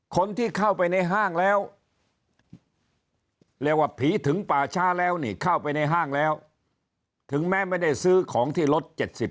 คนที่เข้าไปในห้างแล้วเรียกว่าผีถึงป่าช้าแล้วนี่เข้าไปในห้างแล้วถึงแม้ไม่ได้ซื้อของที่รถ๗๐